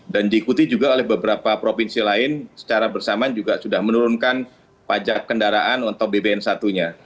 dan diikuti juga oleh beberapa provinsi lain secara bersamaan juga sudah menurunkan pajak kendaraan untuk bpn satu nya